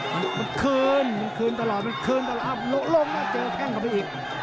มันคืนมันคืนตลอดมันคืนตลอดโหโหโหโหโหโหเจอแทงกับมันอีก